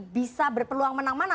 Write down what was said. bisa berpeluang menang mana